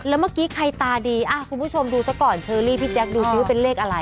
แล้วเมื่อกี้ใครตาดีคุณผู้ชมดูซะก่อนเชอรี่พี่แจ๊คดูสิว่าเป็นเลขอะไร